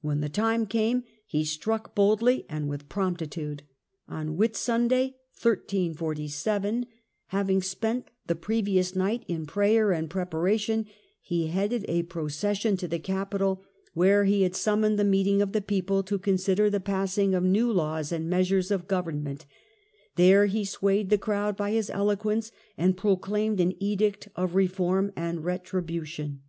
When the time came he struck boldly and with promptitude. On Whitsunday, 1347, having spent the previous night in prayer and pre paration, he headed a procession to the Capitol, where he had summoned a meeting of the people to consider the passing of new laws and measures of government ; there he swayed the crowd by his eloquence, and pro claimed an edict of reform and retribution.